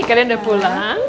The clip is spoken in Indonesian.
kalian udah pulang